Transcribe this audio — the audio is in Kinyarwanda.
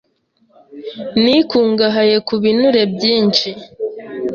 ni ikungahaye ku binure byinshi,